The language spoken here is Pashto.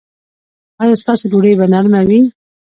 ایا ستاسو ډوډۍ به نرمه وي؟